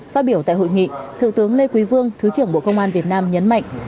phát biểu tại hội nghị thượng tướng lê quý vương thứ trưởng bộ công an việt nam nhấn mạnh